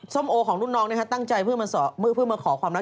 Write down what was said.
ส้มโอของรุ่นน้องตั้งใจเพื่อมาขอความรัก